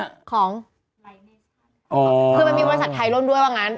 อ๋อมันมีบริษัทไทยร่วมด้วยหรอ